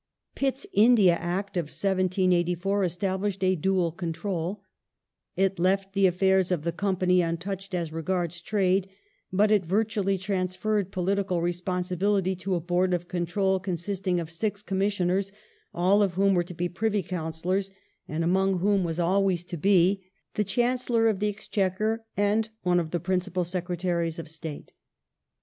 Pitt's India Act of 1784 established a dual control : it left the affairs of the Company untouched as re gards trade, but it virtually transferred political responsibility to a Hoard of Control consisting of six Commissioners, all of whom were to be Privy Councillors, and among whom were always to be the 266 GROWTH OF THE BRITISH POWER IN INDIA [1740 Chancellor of the Exchequer and one of the principal Secretaries of State.